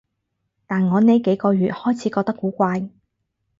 但我呢幾個月開始覺得古怪